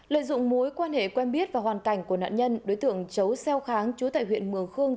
lợi dụng mối quan hệ quen biết và hoàn cảnh của nạn nhân đối tượng chấu xeo kháng chú tại huyện mường khương